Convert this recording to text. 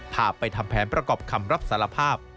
พาไปทำแผนประกอบคำรับสารภาพ